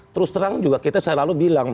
terus terang juga kita selalu bilang